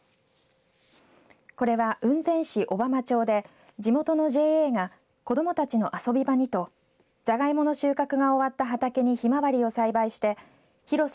これは雲仙市小浜町で地元のＪＡが子どもたちの遊び場にとジャガイモの収穫が終わった畑にヒマワリを栽培して広さ